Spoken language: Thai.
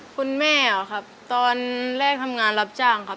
คุณแม่ครับตอนแรกทำงานรับจ้างครับ